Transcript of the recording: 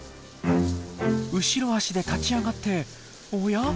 後ろ足で立ち上がっておや？